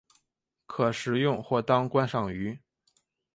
可食用或当观赏鱼。